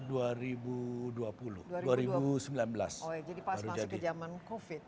oh ya jadi pas masuk ke zaman covid ya